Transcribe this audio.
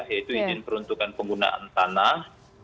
yaitu izin peruntukan penggunaan tanah